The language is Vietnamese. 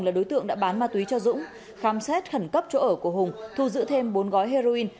là đối tượng đã bán ma túy cho dũng khám xét khẩn cấp chỗ ở của hùng thu giữ thêm bốn gói heroin